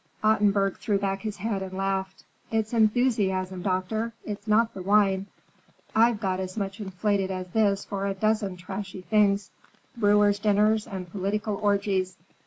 Ottenburg threw back his head and laughed. "It's enthusiasm, doctor. It's not the wine. I've got as much inflated as this for a dozen trashy things: brewers' dinners and political orgies.